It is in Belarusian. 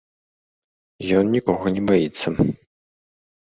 Ён нікога не баіцца.